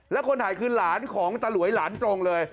แล้วคนถ่ายคือหลานของตาหลวยหลานตรงเลย